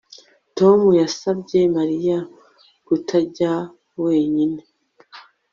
Tom yasabye Mariya kutajya wenyine